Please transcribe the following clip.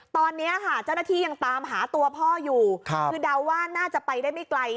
ตอนนี้ค่ะเจ้าหน้าที่ยังตามหาตัวพ่ออยู่คือเดาว่าน่าจะไปได้ไม่ไกล